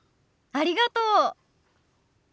ありがとう。